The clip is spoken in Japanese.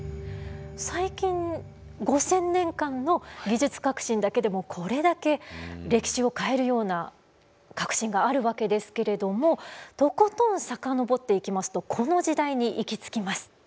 最近５，０００年間の技術革新だけでもこれだけ歴史を変えるような革新があるわけですけれどもとことん遡っていきますとこの時代に行き着きます。